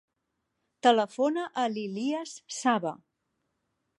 Telefona a l'Ilías Sava.